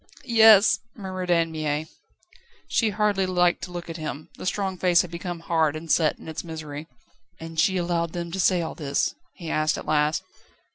"Yes," murmured Anne Mie. She hardly liked to look at him; the strong face had become hard and set in its misery. "And she allowed them to say all this?" he asked at last.